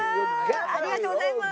ありがとうございます！